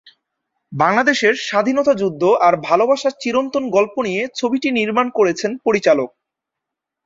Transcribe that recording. বাংলাদেশের স্বাধীনতা যুদ্ধ আর ভালবাসার চিরন্তন গল্প নিয়ে ছবিটি নির্মাণ করছেন পরিচালক।